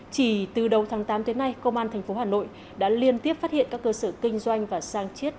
chỉ từ đầu tháng tám tới nay công an tp hà nội đã liên tiếp phát hiện các cơ sở kinh doanh và sang chiết